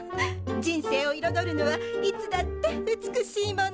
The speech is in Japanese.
人生をいろどるのはいつだって美しいもの！